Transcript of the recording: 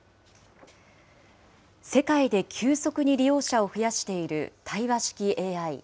世界で急速に利用者を増やしている対話式ＡＩ。